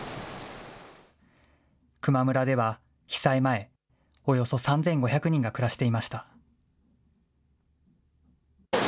球磨村では被災前、およそ３５００人が暮らしていました。